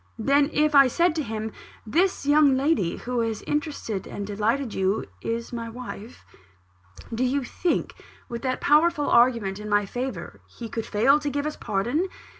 Then if I said to him, 'This young lady, who has so interested and delighted you, is my wife;' do you think, with that powerful argument in my favour, he could fail to give us his pardon?